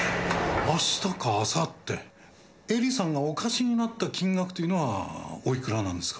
絵里さんがお貸しになった金額というのはおいくらなんですか？